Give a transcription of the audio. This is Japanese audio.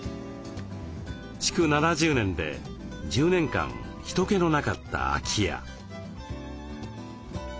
築７０年で１０年間人けのなかった空き家。